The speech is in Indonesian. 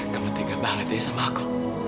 kamu tega banget ya sama aku